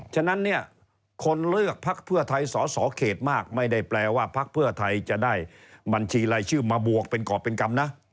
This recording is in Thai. ฉะนั้นเนี่ยคนเลือกพักเพื่อไทยสอสอเขตมากไม่ได้แปลว่าพักเพื่อไทยจะได้บัญชีรายชื่อมาบวกเป็นกรอบเป็นกรรมนะ